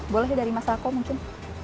boleh dari mas rako mungkin